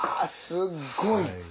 すっごい！